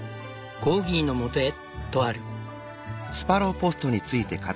コーギーのもとへ」とある。